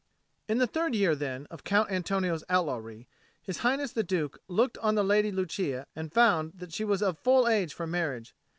In the third year, then, of Count Antonio's outlawry, His Highness the Duke looked on the Lady Lucia and found that she was of full age for marriage.